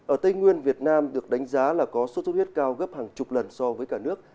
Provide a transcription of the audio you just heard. ở tây nguyên việt nam được đánh giá là có sốt xuất huyết cao gấp hàng chục lần so với cả nước